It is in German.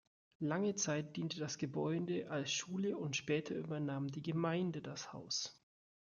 Lange Zeit diente das Gebäude als Schule und später übernahm die Gemeinde das Haus.